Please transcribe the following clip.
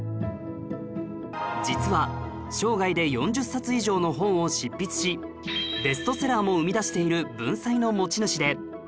実は生涯で４０冊以上の本を執筆しベストセラーも生み出している文才の持ち主で